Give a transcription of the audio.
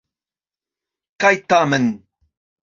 Kaj tamen.